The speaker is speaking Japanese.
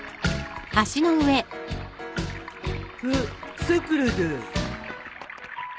あっさくらだ。